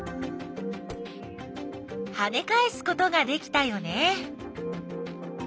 はねかえすことができたよね。